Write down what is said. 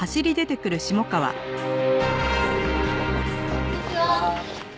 こんにちは。